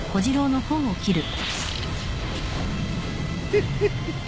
フフフ。